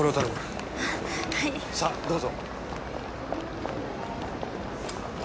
さあどうぞ。